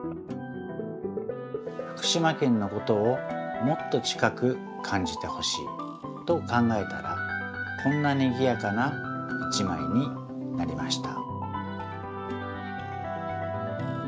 福島県のことをもっと近くかんじてほしいと考えたらこんなにぎやかな一まいになりました。